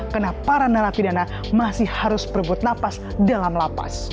karena para narapidana masih harus berbut lapas dalam lapas